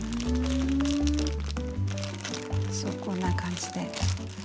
そうこんな感じで。